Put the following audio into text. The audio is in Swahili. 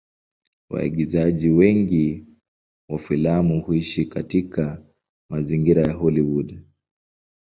Waigizaji wengi wa filamu huishi katika mazingira ya Hollywood.